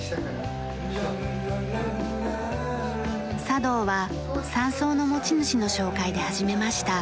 茶道は山荘の持ち主の紹介で始めました。